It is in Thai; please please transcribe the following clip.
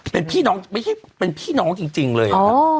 เป็นพี่น้องไม่ใช่เป็นพี่น้องจริงเลย